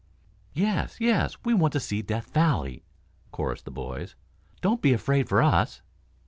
"Yes, yes, we want to see Death Valley," chorused the boys. "Don't be afraid for us."